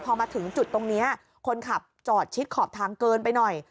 พอมาถึงจุดตรงนี้คนขับจอดชิดขอบทางเกินไปหน่อย